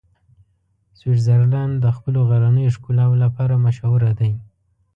سویټزرلنډ د خپلو غرنیو ښکلاوو لپاره مشهوره دی.